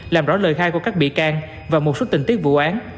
làm rõ lời khai của các bị can và một số tình tiết vụ án